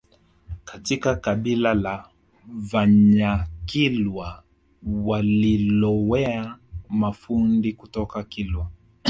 Katika kabila la Vanyakilwa walilowea mafundi kutoka kilwa